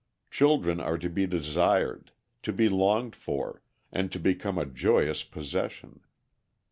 Children are to be desired, to be longed for, and to become a joyous possession.